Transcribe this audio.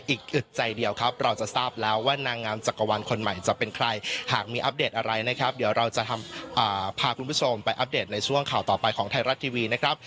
อีกอึดใจเดียวครับเราจะทราบแล้วว่านางงามจักรวรรณคนใหม่จะเป็นใครหากมีอัปเดตอะไรนะครับเดี๋ยวเราจะพาคุณผู้ชมไปอัปเดตในช่วงข่าวต่อไปของไทยรัฐทีวีนะครับ